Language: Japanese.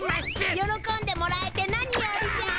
よろこんでもらえてなによりじゃ。